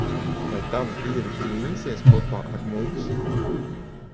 Vai tavi dievi cīnīsies kopā ar mums?